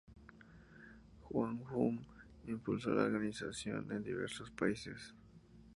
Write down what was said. Juan Jun impulsó la organización en diversos países.